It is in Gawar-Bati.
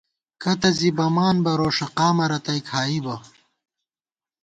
کتہ زی بَمان بہ روݭہ قامہ رتئی کھائیبہ